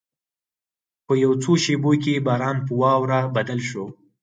په یو څو شېبو کې باران په واوره بدل شو.